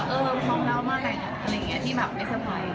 อะไรอย่างเงี้ยที่แบบไม่สบาย